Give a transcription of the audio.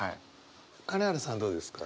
金原さんはどうですか？